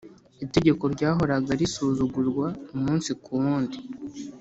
Itegeko ryahoraga risuzugurwa umunsi kuwundi